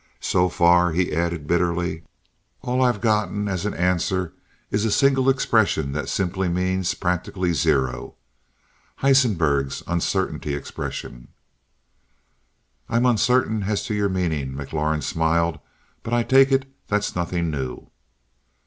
So far," he added bitterly, "all I've gotten as an answer is a single expression that simply means practical zero Heisenberg's Uncertainty Expression." "I'm uncertain as to your meaning" McLaurin smiled "but I take it that's nothing new."